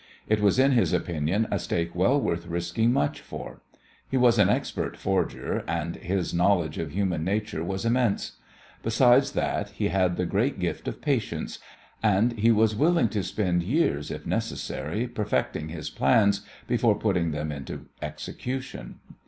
It was in his opinion a stake well worth risking much for. He was an expert forger, and his knowledge of human nature was immense. Besides that he had the great gift of patience, and he was willing to spend years if necessary perfecting his plans before putting them into execution.